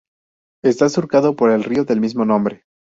Está surcado por el río del mismo nombre.